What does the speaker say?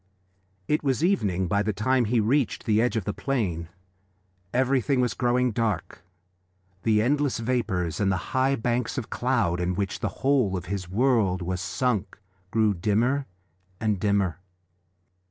It was evening by the time he reached the edge of the plain: everything was growing dark. The endless vapours and the high banks of cloud in which the whole of this world was sunk grew dimmer and dimmer.